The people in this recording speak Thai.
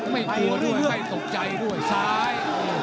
ไม่กลัวด้วยไม่ตกใจด้วยซ้าย